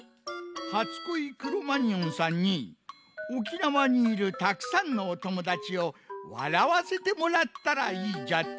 「初恋クロマニヨンさんに沖縄にいるたくさんのおともだちをわらわせてもらったらいい」じゃと？